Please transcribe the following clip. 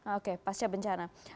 oke pasca bencana